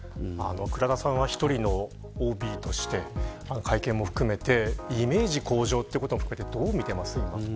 倉田さんは１人のＯＢとして会見も含めてイメージ向上ということも含めてどう見ていますか。